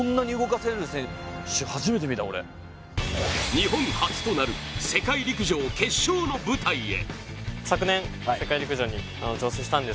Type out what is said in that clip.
日本初となる世界陸上決勝の舞台へ！